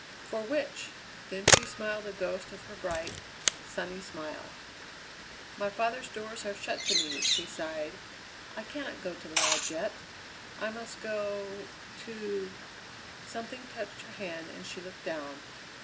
"For which?" Then she smiled a ghost of her bright, sunny smile. "My father's doors are shut to me," she sighed; "I cannot go to the Lodge, yet! I must go to " Something touched her hand, and she looked down.